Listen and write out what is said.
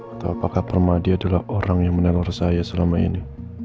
atau apakah permadi adalah orang yang menengor saya selama ini